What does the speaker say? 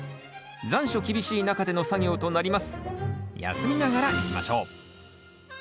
休みながらいきましょう。